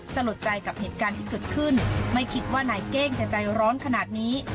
สลดใจกับเหตุการณ์ที่เกิดขึ้นไม่คิดว่านายเก้งจะใจร้อนขนาดนี้